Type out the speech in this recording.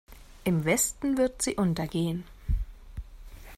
Im Westen wird sie untergehen.